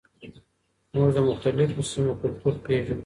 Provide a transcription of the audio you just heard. موږ د مختلفو سیمو کلتور پیژنو.